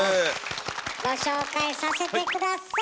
ご紹介させて下さい！